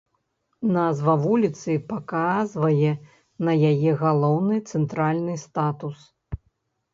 Назва вуліцы паказвае на яе галоўны цэнтральны статус.